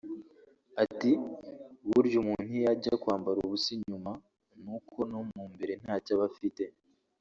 Ati “Burya umuntu iyo ajya kwambara ubusa inyuma ni uko no mu imbere ntacyo aba afite